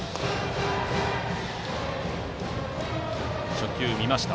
初球は見ました。